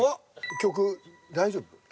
曲大丈夫？